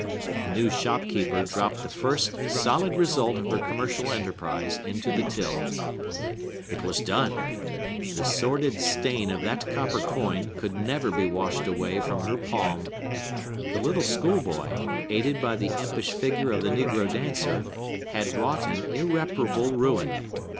The new shop keeper dropped the first solid result of her commercial enterprise into the till. It was done! The sordid stain of that copper coin could never be washed away from her palm. The little schoolboy, aided by the impish figure of the negro dancer, had wrought an irreparable ruin.